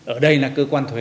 ở đây là cơ quan thuế